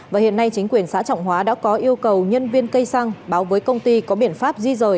và hiện nay chính quyền xã trọng hóa đã có yêu cầu nhân viên cây xăng báo với công ty có biện pháp di rời